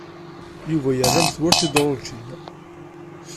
Yuba yerra metwal tidrujin.